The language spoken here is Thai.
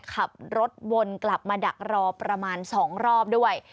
ขับรถวนกลับมาดักรอประมาณ๒รอบด้วย